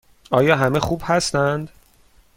آیا همه خوب هستند؟